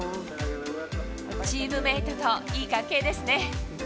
チームメートといい関係ですね。